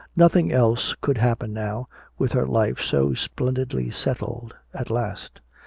Nothing else could happen now, with her life so splendidly settled at last.